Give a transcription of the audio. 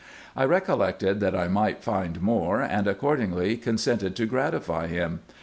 I recollected that I might find more, and accordingly consented to gratify him.